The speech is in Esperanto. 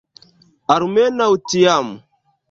Almenaŭ tiam.